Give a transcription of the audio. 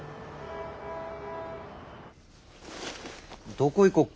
どこ行こっか？